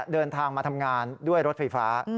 เดินทางมาทำงานด้วยรถไฟฟ้า